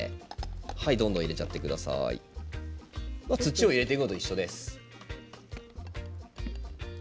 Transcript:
土を入れていくのと一緒です。